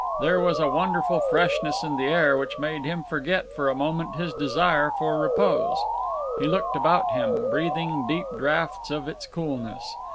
There was a wonderful freshness in the air which made him forget for a moment his desire for repose. He looked about him, breathing deep draughts of its coolness.